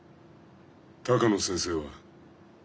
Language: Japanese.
鷹野先生は。